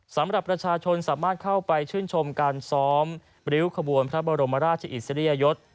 สำหรับประชาชนสามารถเข้าไปชื่นชมการซ้อมริ้วขบวนพระบรมราชอิสริยยศ